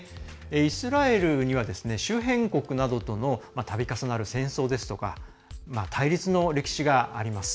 イスラエルには周辺国などとのたび重なる戦争ですとか対立の歴史があります。